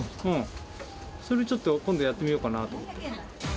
それちょっと今度やってみようかなと思って。